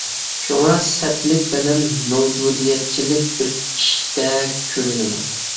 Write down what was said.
شۇڭا، سەتلىك بىلەن مەۋجۇدىيەتچىلىك بىر ئىشتەك كۆرۈنىدۇ.